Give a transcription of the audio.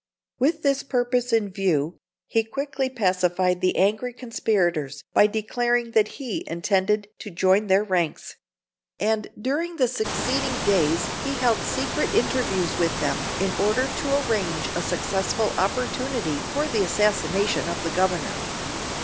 With this purpose in view, he quickly pacified the angry conspirators by declaring that he intended to join their ranks; and during the succeeding days he held secret interviews with them, in order to arrange a successful opportunity for the assassination of the Governor.